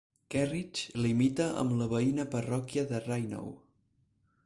Kerridge limita amb la veïna parròquia de Rainow.